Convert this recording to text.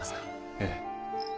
ええ。